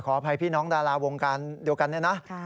ขออภัยพี่น้องดาราวงการเดียวกันนะ